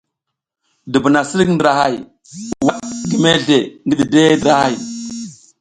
Dubuna sirik drahaya waɗ gi mezegwel ngi dideʼe ndrahay.